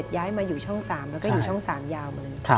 ย้ายมาอยู่ช่อง๓แล้วก็อยู่ช่อง๓ยาวมาเลย